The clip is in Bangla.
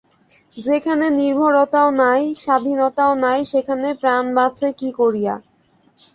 যেখানে নির্ভরতাও নাই, স্বাধীনতাও নাই, সেখানে প্রাণ বাঁচে কী করিয়া?